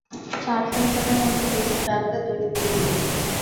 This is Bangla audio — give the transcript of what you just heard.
চার সন্তানের মধ্যে দুজন ডাক্তার এবং দুজন ইঞ্জিনিয়ার।